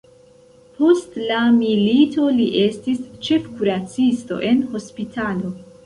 Post la milito li estis ĉefkuracisto en hospitalo.